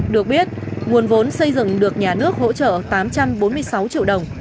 được biết nguồn vốn xây dựng được nhà nước hỗ trợ tám trăm bốn mươi sáu triệu đồng